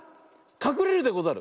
かくれるでござる。